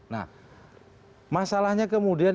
nah masalahnya kemudian